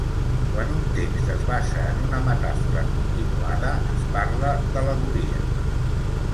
Quan un text es basa en una metàfora continuada, es parla d'al·legoria.